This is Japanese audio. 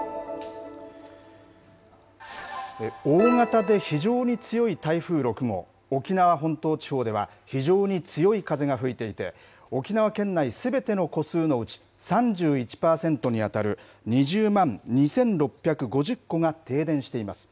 大型で非常に強い台風６号、沖縄本島地方では、非常に強い風が吹いていて、沖縄県内すべての戸数のうち、３１％に当たる２０万２６５０戸が停電しています。